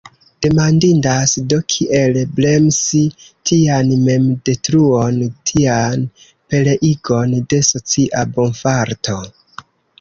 Demandindas, do, kiel bremsi tian memdetruon, tian pereigon de socia bonfarto.